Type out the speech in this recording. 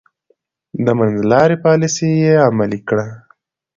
د منځلارۍ پاليسي يې عملي کړه.